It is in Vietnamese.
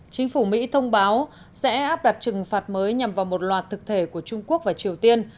chính phủ mỹ thông báo sẽ áp đặt trừng phạt mới nhằm vào một loạt thực thể của trung quốc và triều tiên